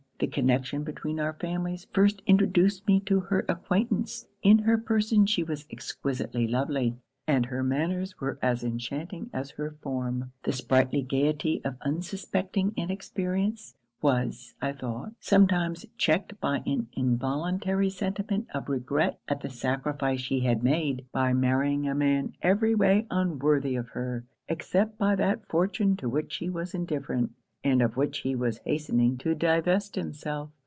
'The connection between our families first introduced me to her acquaintance. In her person she was exquisitely lovely, and her manners were as enchanting as her form. The sprightly gaiety of unsuspecting inexperience, was, I thought, sometimes checked by an involuntary sentiment of regret at the sacrifice she had made, by marrying a man every way unworthy of her; except by that fortune to which she was indifferent, and of which he was hastening to divest himself.